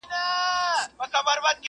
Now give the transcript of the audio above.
زما په یاد دي پاچا خره ته وه ویلي!.